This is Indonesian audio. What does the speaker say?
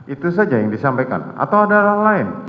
itu saja yang disampaikan atau ada orang lain